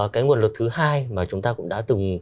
cái nguồn lực thứ hai mà chúng ta cũng đã từng